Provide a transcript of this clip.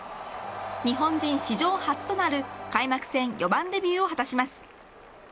日本人史上初となる開幕戦４番デビューを果たします。